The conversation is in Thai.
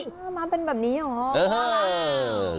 กระเบิดเป็นแบบนี้หรือเออเฮ่ย